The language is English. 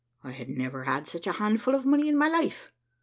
"I had never had such a handful of money in my life.